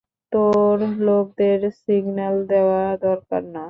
তোর লোকদের সিগন্যাল দেওয়া দরকার না?